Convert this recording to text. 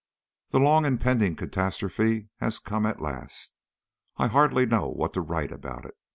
The long impending catastrophe has come at last. I hardly know what to write about it.